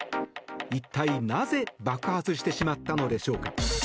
一体、なぜ爆発してしまったのでしょうか。